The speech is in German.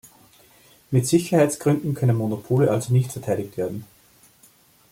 Mit Sicherheitsgründen können Monopole also nicht verteidigt werden.